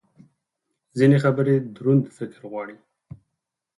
ځینې خبرې دروند فکر غواړي.